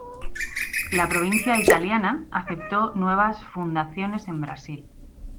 La provincia italiana aceptó nuevas fundaciones en Brasil.